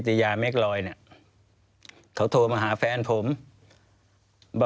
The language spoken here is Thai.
ควิทยาลัยเชียร์สวัสดีครับ